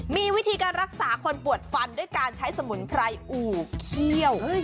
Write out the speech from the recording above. มีวิธีการรักษาคนปวดฟันด้วยการใช้สมุนไพรอู่เขี้ยว